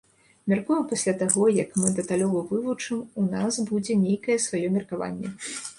Мяркую, пасля таго як мы дэталёва вывучым, у нас будзе нейкае сваё меркаванне.